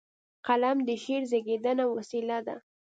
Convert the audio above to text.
قلم د شعر زیږنده وسیله ده.